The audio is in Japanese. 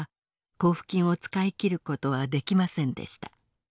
交付金を使い切ることはできませんでした。